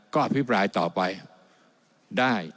ก็อภิปรายต่อไปได้